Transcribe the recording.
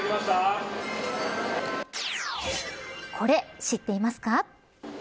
これ、知っていますか。